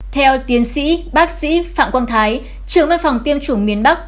theo tiến sĩ bác sĩ phạm quang thái trưởng văn phòng tiêm chủng miền bắc